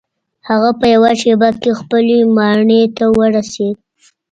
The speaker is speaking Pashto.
هغه په یوه شیبه کې خپلې ماڼۍ ته ورسید.